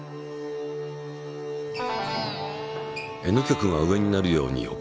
Ｎ極が上になるように置く。